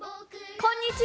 こんにちは！